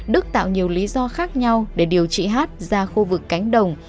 đức tạo nhiều lý do khác nhau để điều trị hát ra khu vực cánh đồng